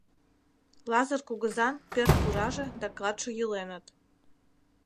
Лазыр кугызан пӧрт пураже да клатше йӱленыт.